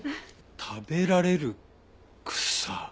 食べられる草。